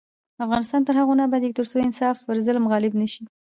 افغانستان تر هغو نه ابادیږي، ترڅو انصاف پر ظلم غالب نشي.